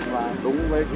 và đúng với chất lượng